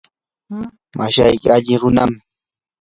mashayki ali runam.